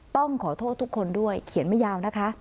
ต้องขอโทษทุกคนด้วยเขียนไม่ยาวนะคะ